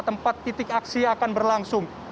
tempat titik aksi akan berlangsung